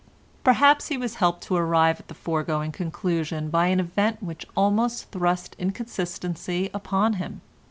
Perhaps he was helped to arrive at the foregoing conclusion by an event which almost thrust inconsistency upon him.